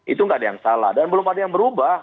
itu nggak ada yang salah dan belum ada yang berubah